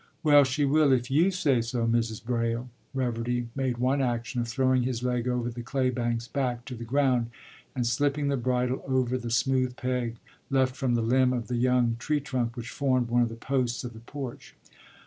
” “Well, she will if you say so, Mrs. Braile.” Reverdy made one action of throwing his leg over the claybank's back to the ground, and slipping the bridle over the smooth peg left from the limb of the young tree trunk which formed one of the posts of the porch.